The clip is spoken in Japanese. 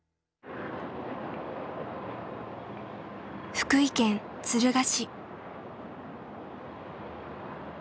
福井県敦賀市。